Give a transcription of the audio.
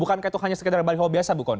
atau hanya sekedar baliho biasa bu kony